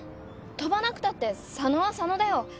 跳ばなくたって佐野は佐野だよ。